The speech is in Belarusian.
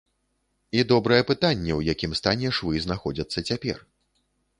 І добрае пытанне, у якім стане швы знаходзяцца цяпер.